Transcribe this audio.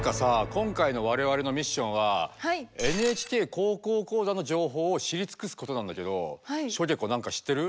今回の我々のミッションは「ＮＨＫ高校講座」の情報を知り尽くすことなんだけどしょげこ何か知ってる？